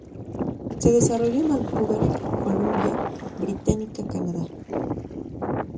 Se desarrolló en Vancouver, Columbia Británica, Canadá.